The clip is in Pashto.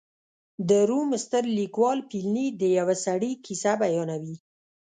د روم ستر لیکوال پیلني د یوه سړي کیسه بیانوي